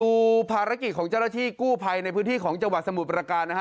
ดูภารกิจของเจ้าหน้าที่กู้ภัยในพื้นที่ของจังหวัดสมุทรประการนะฮะ